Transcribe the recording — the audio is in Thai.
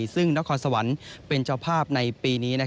ซึ่งนครสวรรค์เป็นเจ้าภาพในปีนี้